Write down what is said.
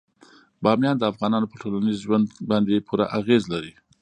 بامیان د افغانانو په ټولنیز ژوند باندې پوره اغېز لري.